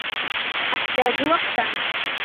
أحتاج وقتا.